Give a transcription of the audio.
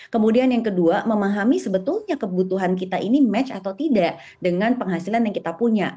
kemudian yang kedua memahami sebetulnya kebutuhan kita ini match atau tidak dengan penghasilan yang kita punya